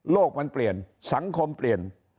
มันเปลี่ยนสังคมเปลี่ยน